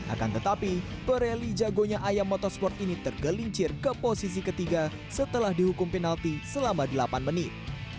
akan tetapi pereli jagonya ayam motorsport ini tergelincir ke posisi ketiga setelah dihukum penalti selama delapan menit